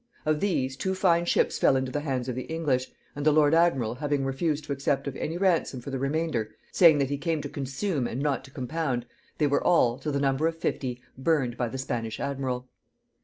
Of these, two fine ships fell into the hands of the English; and the lord admiral having refused to accept of any ransom for the remainder, saying that he came to consume and not to compound, they were all, to the number of fifty, burned by the Spanish admiral.